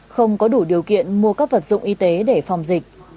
không có đủ điều kiện mua các vật dụng y tế để phòng dịch